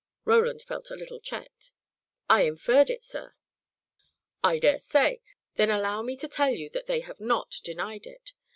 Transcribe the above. Roland felt a little checked. "I inferred it, sir." "I dare say. Then allow me to tell you that they have not denied it.